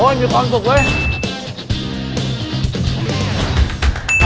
โอ้ยมีความสุขด้วย